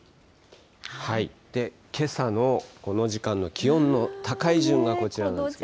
けさのこの時間の気温の高い順はこちらなんですけどね。